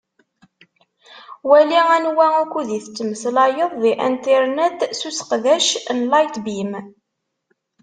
Wali anwa ukud i tettmeslayeḍ di Internet s useqdec n Lightbeam.